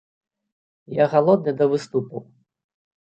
Я галодны да выступаў.